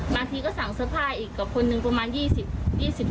บางทีก็สั่งเสื้อผ้าอีกกับคนหนึ่งประมาณ๒๐ทุศอะไรอย่างนี้ค่ะ